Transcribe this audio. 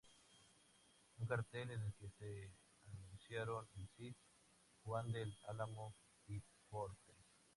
Un cartel en el que se anunciaron El Cid, Juan del Álamo y Fortes.